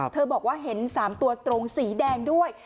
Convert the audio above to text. บอกว่าเห็น๓ตัวตรงสีแดงด้วย